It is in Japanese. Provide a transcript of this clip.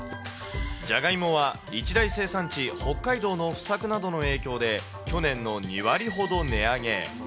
じゃがいもは、一大生産地、北海道の不作などの影響で、去年の２割ほど値上げ。